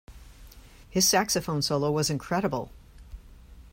His saxophone solo was incredible.